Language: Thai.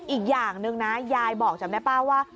อีกอย่างหนึ่งนะยายบอกจำได้ป้าว่า